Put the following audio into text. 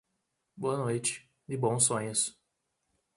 Boa noite, e bons sonhos.